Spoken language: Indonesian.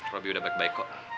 robby udah baik baik kok